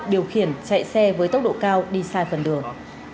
điều khiển chạy xe với tốc độ cao đi sai phần đường